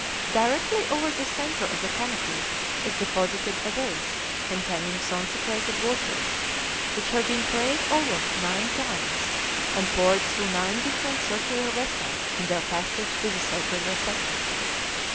Directly over the centre of the canopy is deposited a vase containing consecrated waters, which have been prayed over nine times, and poured through nine different circular vessels in their passage to the sacred receptacle.